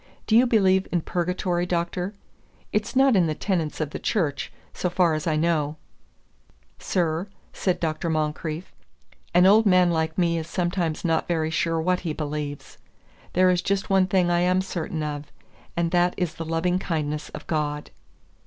"Do you believe in Purgatory, Doctor? It's not in the tenets of the Church, so far as I know." "Sir," said Dr. Moncrieff, "an old man like me is sometimes not very sure what he believes. There is just one thing I am certain of and that is the loving kindness of God."